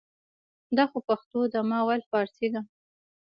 دا خو پښتو ده ما ویل فارسي ده